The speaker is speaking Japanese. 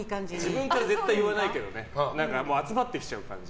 自分からは絶対に言わないけど集まってきちゃう感じ。